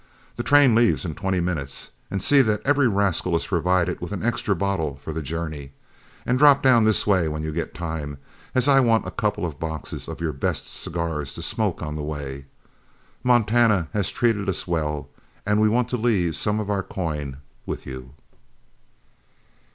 The train leaves in twenty minutes, and see that every rascal is provided with an extra bottle for the journey. And drop down this way when you get time, as I want a couple of boxes of your best cigars to smoke on the way. Montana has treated us well, and we want to leave some of our coin with you."